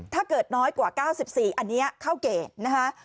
ถ้าเกิดน้อยกว่า๙๔อันนี้เข้าเกณฑ์นะคะ